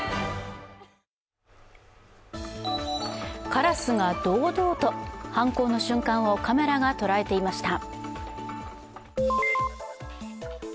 カラスが堂々と、犯行の瞬間をカメラが捉えていました。